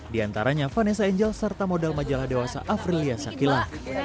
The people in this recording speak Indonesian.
di antaranya vanessa angel serta modal majalah dewasa afrilia sakilah